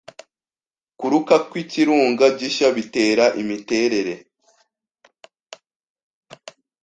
Kuruka kw'ikirunga gishya bitera imiterere